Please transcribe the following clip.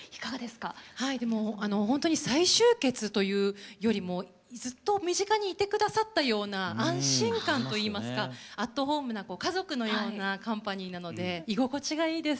はいでもほんとに再集結というよりもずっと身近にいて下さったような安心感といいますかアットホームな家族のようなカンパニーなので居心地がいいです